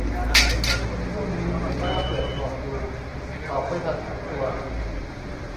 ช่วงนี้ไม่กล้าเปิดพอร์ตดู ออกไม่ทันสักตัว